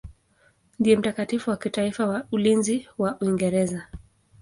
Ndiye mtakatifu wa kitaifa wa ulinzi wa Uingereza.